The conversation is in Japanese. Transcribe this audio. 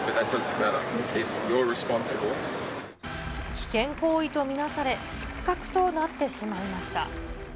危険行為とみなされ、失格となってしまいました。